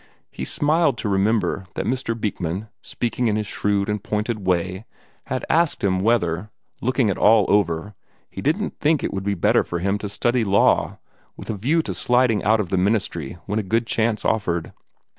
He smiled to remember that Mr. Beekman, speaking in his shrewd and pointed way, had asked him whether, looking it all over, he didn't think it would be better for him to study law, with a view to sliding out of the ministry when a good chance offered.